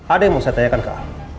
ada yang mau saya tanyakan ke